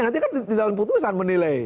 nanti kan di dalam putusan menilai